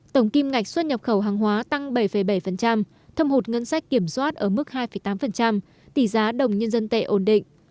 tổng kim ngạch xuất nhập khẩu hàng hóa tăng bảy bảy thâm hụt ngân sách kiểm soát ở mức hai tám tỷ giá đồng nhân dân tệ ổn định